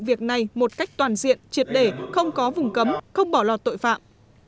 việc này một cách toàn diện triệt để không có vùng cấm không bỏ lọt tội phạm